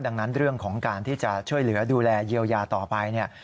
ดังนั้นเรื่องของการที่จะช่วยเหลือดูแลเยียวยาต่อไปเนี่ย